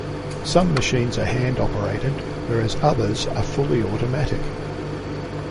Some machines are hand operated, whereas others are fully automatic.